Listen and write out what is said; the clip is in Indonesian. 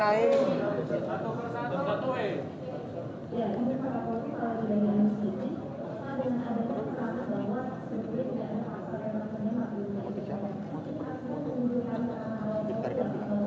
terima kasih pak